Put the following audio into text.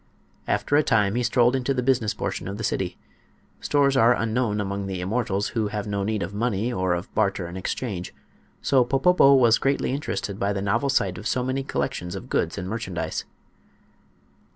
After a time he strolled into the business portion of the city. Stores are unknown among the immortals, who have no need of money or of barter and exchange; so Popopo was greatly interested by the novel sight of so many collections of goods and merchandise.